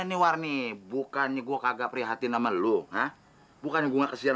antara punya paman sendirian